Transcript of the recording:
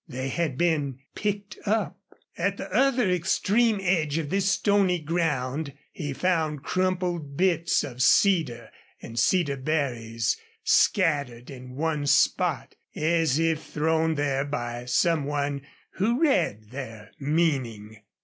They had been picked up. At the other extreme edge of this stony ground he found crumpled bits of cedar and cedar berries scattered in one spot, as if thrown there by some one who read their meaning.